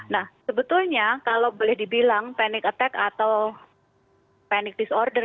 nah sebetulnya kalau boleh dibilang panic attack atau panic disorder